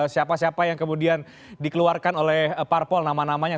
siapa siapa yang kemudian dikeluarkan oleh parpol nama namanya